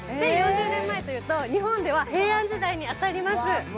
１０４０年前というと、日本では平安時代に当たります。